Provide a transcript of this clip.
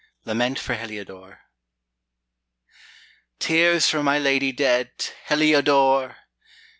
LAMENT FOR HELIODORE. Tears for my lady dead Heliodore!